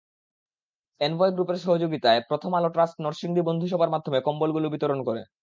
এনবয় গ্রুপের সহযোগিতায় প্রথম আলো ট্রাস্ট নরসিংদী বন্ধুসভার মাধ্যমে কম্বলগুলো বিতরণ করে।